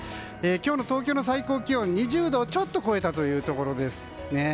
今日の東京の最高気温は２０度をちょっと超えたところです。